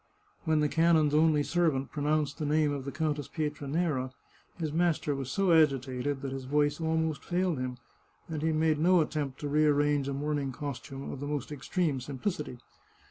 When the canon's only servant pronounced the name of the Countess Pietranera, his master was so agitated that his voice almost failed him, and he made no attempt to rearrange a morning costume of the most extreme sim plicity.